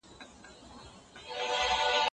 مثال ښودل د ماشومانو لپاره دنده ده.